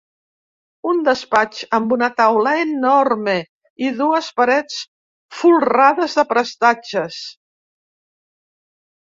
Un despatx amb una taula enorme i dues parets folrades de prestatges.